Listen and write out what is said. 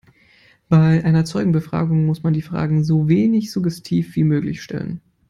Bei einer Zeugenbefragung muss man die Fragen so wenig suggestiv wie möglich stellen.